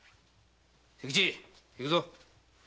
清吉行くぞ！